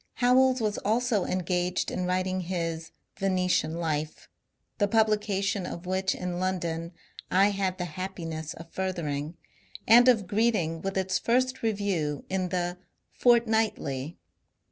Howells was also engaged in writing his '^ Venetian Life," the publication of which in London I had the happiness of furthering, and of greeting with its first review, in the " Fort nightly."